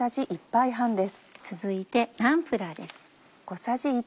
続いてナンプラーです。